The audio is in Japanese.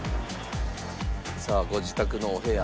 さあご自宅のお部屋。